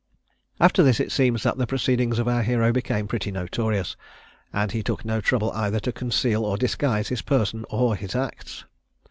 After this it seems that the proceedings of our hero became pretty notorious, and he took no trouble either to conceal or disguise his person or his acts.